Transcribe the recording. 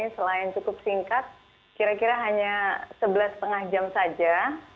selain cukup singkat kira kira hanya sebelas lima jam saja